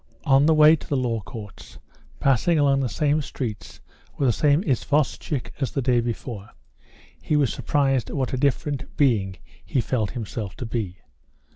On the way to the Law Courts, passing along the same streets with the same isvostchik as the day before, he was surprised what a different being he felt himself to be.